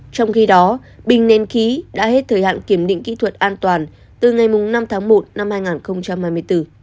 trong khi đó bình nén khí đã hết thời hạn kiểm định kỹ thuật an toàn từ ngày năm tháng một năm hai nghìn hai mươi bốn